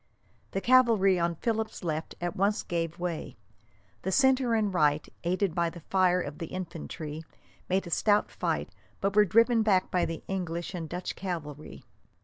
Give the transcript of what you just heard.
The cavalry on Philip's left at once gave way. The centre and right, aided by the fire of the infantry, made a stout fight, but were driven back by the English and Dutch cavalry.